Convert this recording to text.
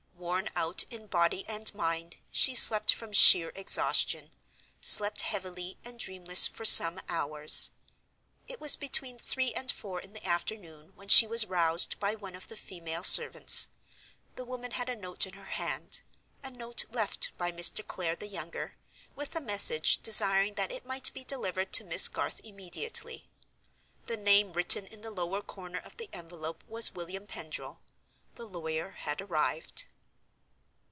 Worn out in body and mind, she slept from sheer exhaustion—slept heavily and dreamless for some hours. It was between three and four in the afternoon when she was roused by one of the female servants. The woman had a note in her hand—a note left by Mr. Clare the younger, with a message desiring that it might be delivered to Miss Garth immediately. The name written in the lower corner of the envelope was "William Pendril." The lawyer had arrived.